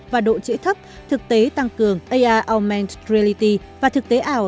và độ chạy thấp thực tế tăng cường ai augmented reality và thực tế ảo